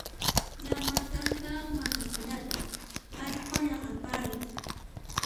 Llama kanka mankakunata allqu llaqwarparin